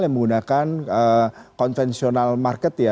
yang menggunakan konvensional market ya